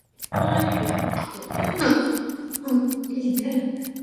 Only by and by her attitude towards him begins to change.